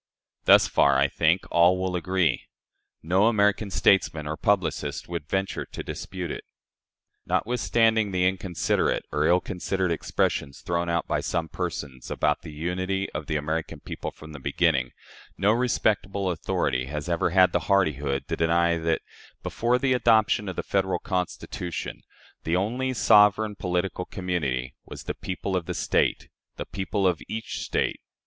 Thus far, I think, all will agree. No American statesman or publicist would venture to dispute it. Notwithstanding the inconsiderate or ill considered expressions thrown out by some persons about the unity of the American people from the beginning, no respectable authority has ever had the hardihood to deny that, before the adoption of the Federal Constitution, the only sovereign political community was the people of the State the people of each State.